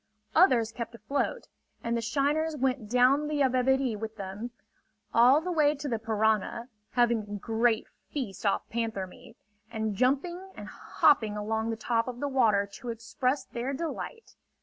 Others kept afloat, and the shiners went down the Yabebirì with them, all the way to the Parana, having a great feast off panther meat, and jumping and hopping along the top of the water to express their delight.